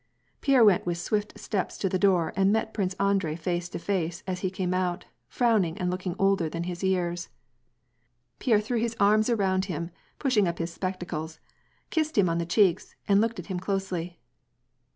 Pierre went with swift steps to the door and met Prince Andrei face to face, as he came out, frowning and look* ing older than his years. Pierre threw his arms around him, pushing up his specta cles, kissed him on the cheeks, and looked at him closely.